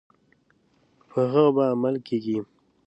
په هغه به عمل کیږي.